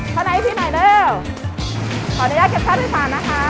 เข้าในอีพี่หน่อยเร็วขออนุญาตเก็บค่าโดยศาลนะคะ